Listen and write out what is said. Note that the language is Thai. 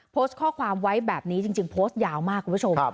โพสต์ข้อความไว้แบบนี้จริงโพสต์ยาวมากคุณผู้ชม